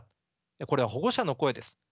これは保護者の声です。